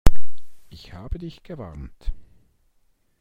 Ich habe dich gewarnt.